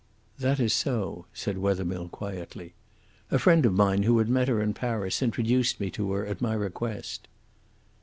"That is so," said Wethermill quietly. "A friend of mine who had met her in Paris introduced me to her at my request."